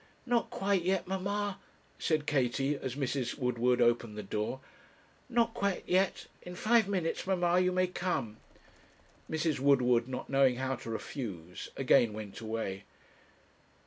'Not quite yet, mamma,' said Katie, as Mrs. Woodward opened the door. 'Not quite yet; in five minutes, mamma, you may come.' Mrs. Woodward, not knowing how to refuse, again went away.